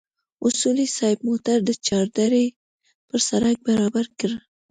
اصولي صیب موټر د چار درې پر سړک برابر کړ.